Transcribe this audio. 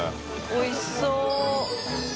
おいしそう。